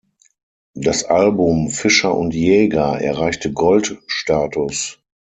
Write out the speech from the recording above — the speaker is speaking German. Das Album "Fischer&Jäger" erreichte Goldstatus.